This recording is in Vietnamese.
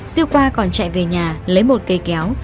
siêu khoa còn chạy về nhà lấy một cây kéo